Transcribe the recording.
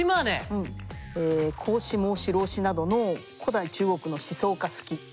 孔子孟子老子などの古代中国の思想家好き。